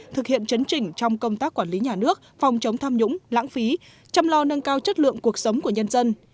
thực hiện chấn chỉnh trong công tác quản lý nhà nước phòng chống tham nhũng lãng phí chăm lo nâng cao chất lượng cuộc sống của nhân dân